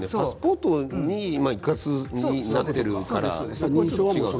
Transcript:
パスポートに一括されているから。